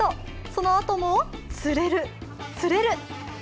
そのあとも釣れる、釣れる。